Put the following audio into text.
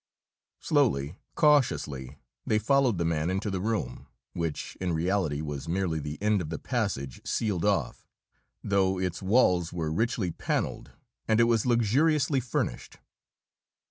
Slowly, cautiously, they followed the man into the room, which in reality was merely the end of the passage sealed off, though its walls were richly panelled and it was luxuriously furnished.